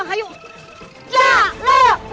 kau memang alis sihir